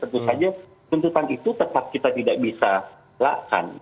tentu saja tuntutan itu tetap kita tidak bisa lakukan